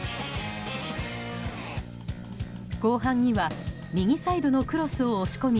後半には右サイドのクロスを押し込み